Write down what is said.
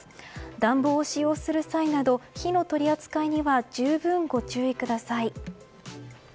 暖房を使用する際など火の取り扱いには十分ご注意ください。